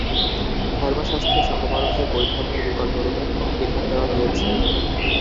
ধর্মশাস্ত্রে সহমরণকে বৈধব্যের বিকল্পরূপে বিধান দেওয়া হয়েছে।